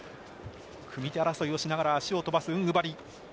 組み手争いをしながら足を飛ばすウングバリ。